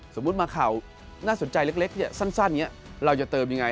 สมมุติมาข่าวน่าสนใจเล็กสั้นอย่างนี้เราจะเติมยังไง